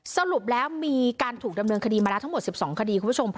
สรุปแล้วมีการถูกดำเนินคดีมาแล้วทั้งหมด๑๒คดีคุณผู้ชม